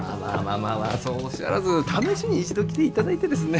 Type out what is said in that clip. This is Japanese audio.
まあそうおっしゃらず試しに一度来ていただいてですね。